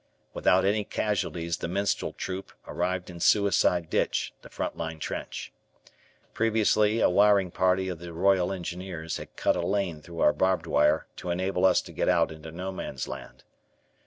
Without any casualties the minstrel troop arrived in Suicide Ditch, the front line trench. Previously, a wiring party of the Royal Engineers had cut a lane through our barbed wire to enable us to get out into No Man's Land.